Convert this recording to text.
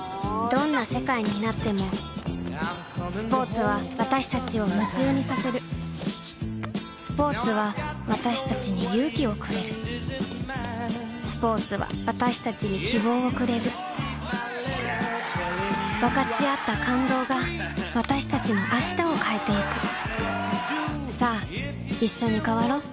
どんな世界になってもスポーツは私たちを夢中にさせるスポーツは私たちに勇気をくれるスポーツは私たちに希望をくれる分かち合った感動が私たちの明日を変えてゆくさあいっしょに変わろう